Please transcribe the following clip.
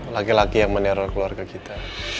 laki laki yang meneror keluarga kita